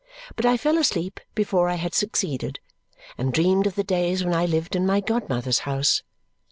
But I fell asleep before I had succeeded, and dreamed of the days when I lived in my godmother's house.